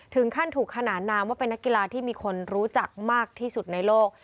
ถึงขั้นถูกขนานนามว่าเป็นนักกีฬาที่มีคนรู้จักมากที่สุดในโลก